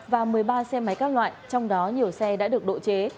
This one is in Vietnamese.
và một mươi ba xe máy các loại trong đó nhiều xe đã được độ chế